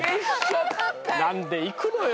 何でいくのよ。